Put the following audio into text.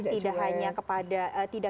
tidak hanya kepada